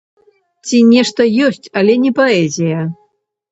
Ці нешта ёсць, але не паэзія.